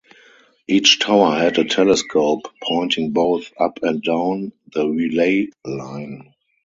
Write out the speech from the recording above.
Each tower had a telescope pointing both up and down the relay line.